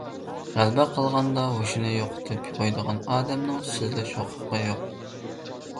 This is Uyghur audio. غەلىبە قىلغاندا ھوشىنى يوقىتىپ قويىدىغان ئادەمنىڭ سۆزلەش ھوقۇقى يوق!